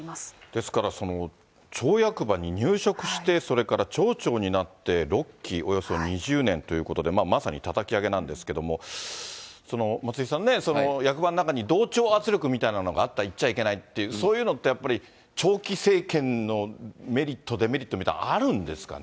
ですから、町役場に入職してそれから町長になって６期、およそ２０年ということで、まさにたたき上げなんですけれども、松井さんね、役場の中に同調圧力みたいなのがあった、言っちゃいけないっていうそういうのってやっぱり、長期政権のメリット、デメリットみたいなのあるんですかね。